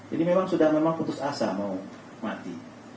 jadi memang sudah putus asa mau mati